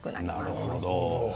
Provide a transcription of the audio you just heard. なるほど。